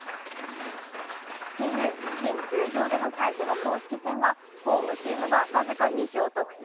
近年、新球場での最初の公式戦はホームチームが僅か２勝と苦戦。